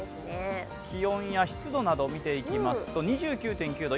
気温や湿度などを見ていきますと２９．９度。